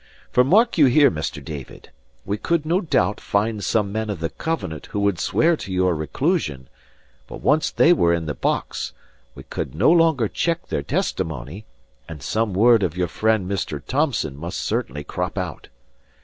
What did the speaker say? For mark you here, Mr. David: we could no doubt find some men of the Covenant who would swear to your reclusion; but once they were in the box, we could no longer check their testimony, and some word of your friend Mr. Thomson must certainly crop out.